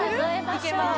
いけます